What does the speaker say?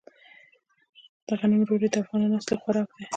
د غنمو ډوډۍ د افغانانو اصلي خوراک دی.